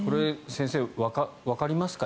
先生わかりますか。